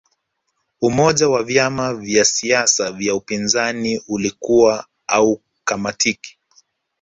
umoja wa vyama vya siasa vya upinzani ulikuwa haukamatiki